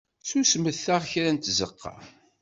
Susmet-aɣ kra deg tzeqqa!